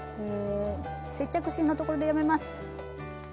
接着芯のところでやめます。